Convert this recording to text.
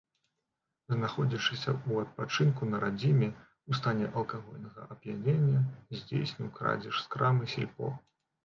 Знаходзячыся ў адпачынку на радзіме, у стане алкагольнага ап'янення, здзейсніў крадзеж з крамы сельпо.